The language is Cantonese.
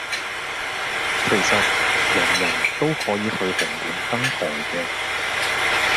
其實，人人都可以去紅館登台噶!